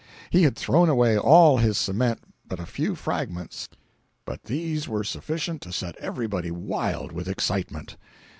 He had thrown away all his cement but a few fragments, but these were sufficient to set everybody wild with excitement.